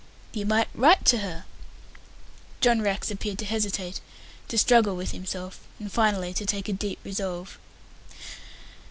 "You might write to her." John Rex appeared to hesitate, to struggle with himself, and finally to take a deep resolve.